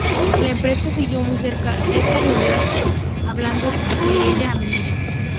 La prensa siguió muy de cerca esta rivalidad, hablando de ella a menudo.